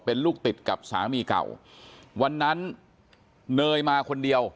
เป็นลูกติดกับสามีเก่าวันนั้นเนยมาคนเดียว